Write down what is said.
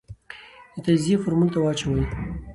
د تجزیې فورمول ته واچوې ،